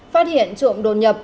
phát hiện trụng đồn nhập